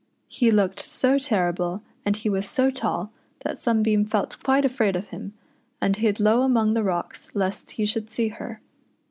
He looked so terrible, and he was so tall, that Sunbeam felt quite afraid of him, and hid low among the rocks lest he .should see her.